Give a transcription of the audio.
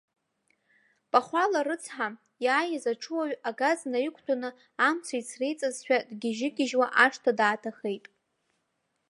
Пахәала рыцҳа, иааиз аҽуаҩ агаз наиқәҭәаны амца ицреиҵазшәа дгьежьгьежьуа ашҭа дааҭахеит.